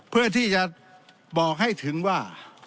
เพื่อที่จะบอกให้ถึงว่า